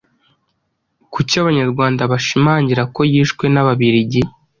Kuki abanyarwanda bashimangira ko yishwe n’Ababiligi?